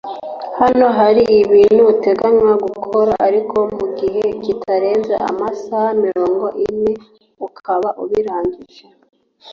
Hano hari ibintu uteganywa gukora ariko mu gihe kitarenze amasaha mirongo ine ukaba ubirangije